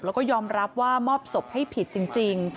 แล้วก็ยอมรับว่ามอบศพให้ผิดจริง